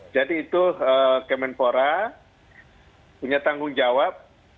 jadi itu kemenpora punya tanggung jawab